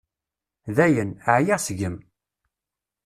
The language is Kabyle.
Dayen, ɛyiɣ seg-m.